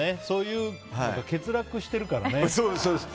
そういうのが欠落してるからね。